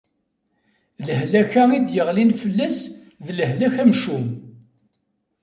Lehlak-a i d-iɣlin fell-as, d lehlak amcum.